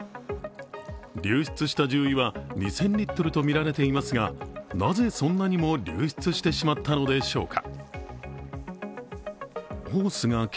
流出した重油は２０００リットルとみられていますが、なぜ、そんなにも流出してしまったのでしょうか。